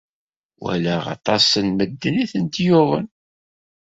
Walaɣ aṭas n medden i tent-yuɣen.